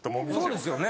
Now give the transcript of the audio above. そうですよね。